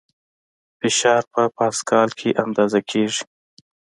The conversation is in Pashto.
فشار په پاسکال کې اندازه کېږي.